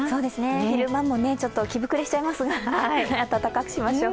昼間も着ぶくれしちゃいますが暖かくしましょう。